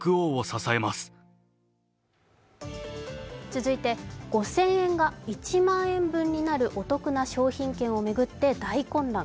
続いて５０００円が１万円分になるお得な商品券を巡って大混乱。